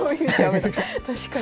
確かに。